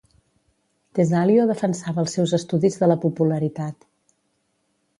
Tesalio defensava els seus estudis de la popularitat.